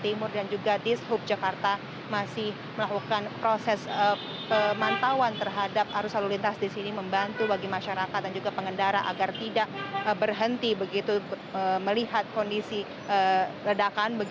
timur dan juga dishub jakarta masih melakukan proses pemantauan terhadap arus lalu lintas di sini membantu bagi masyarakat dan juga pengendara agar tidak berhenti begitu melihat kondisi ledakan